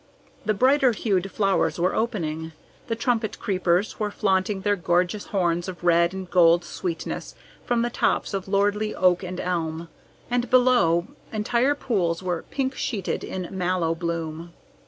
The brighter hued flowers were opening. The trumpet creepers were flaunting their gorgeous horns of red and gold sweetness from the tops of lordly oak and elm, and below entire pools were pink sheeted in mallow bloom.